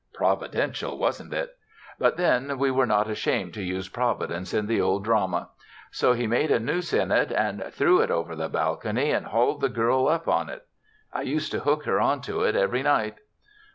Providential, wasn't it? But then we were not ashamed to use Providence in the Old Drama. So he made a noose in it and threw it over the balcony and hauled the girl up on it. I used to hook her on to it every night.